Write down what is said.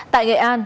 tại nghệ an